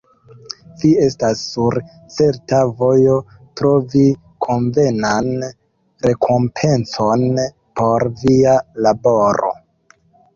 Vi estas sur certa vojo, trovi konvenan rekompencon por Via laboro!